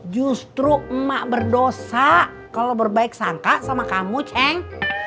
justru emak berdosa kalau berbaik sangka sama kamu ceng